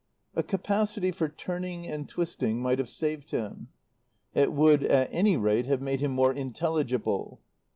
A capacity for turning and twisting might have saved him. It would at any rate have made him more intelligible.